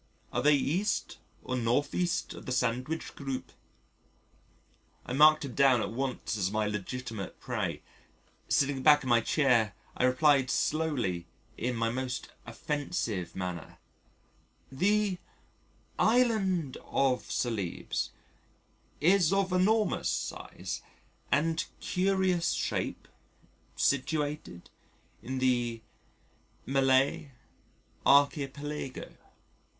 Are they E. or N.E. of the Sandwich Group?" I marked him down at once as my legitimate prey. Sitting back in my chair, I replied slowly in my most offensive manner: "The Island of Celebes is of enormous size and curious shape situated in the Malay Archipelago."